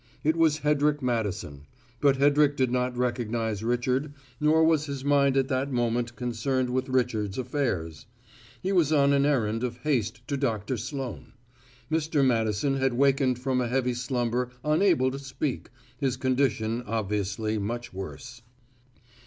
It was Hedrick Madison, but Hedrick did not recognize Richard, nor was his mind at that moment concerned with Richard's affairs; he was on an errand of haste to Doctor Sloane. Mr. Madison had wakened from a heavy slumber unable to speak, his condition obviously much worse.